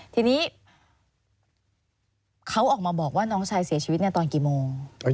ทีนี้เขาออกมาบอกว่าน้องชายเสียชีวิตในตอนกี่โมง